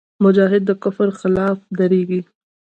مجاهد د کفر خلاف درېږي.